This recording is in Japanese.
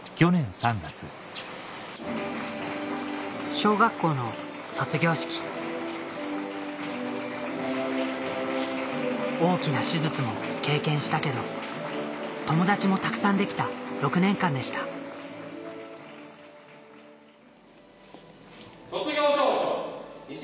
小学校の卒業式大きな手術も経験したけど友達もたくさんできた６年間でした卒業証書。